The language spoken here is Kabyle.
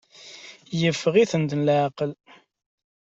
Yeffeɣ-iten leɛqel.